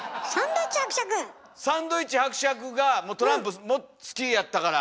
サンドイッチ伯爵がトランプ好きやったから。